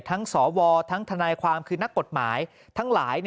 ทั้งสวทั้งธความคือนักกฎหมายทั้งหลาย